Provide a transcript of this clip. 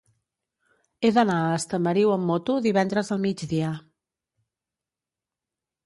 He d'anar a Estamariu amb moto divendres al migdia.